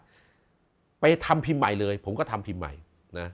หมอลักษณ์ไปทำพิมพ์ใหม่เลยผมก็ทำพิมพ์ใหม่นะ